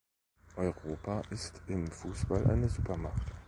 Europa ist im Fußball eine Supermacht.